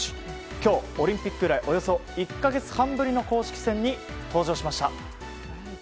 今日、オリンピック以来およそ１か月半ぶりの公式戦に登場しました。